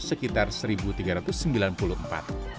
sekitar satu tiga ratus sembilan puluh empat